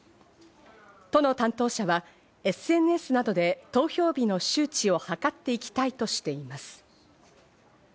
都の担当者はＳＮＳなどで投票日の周知をはかっていきたいとしています。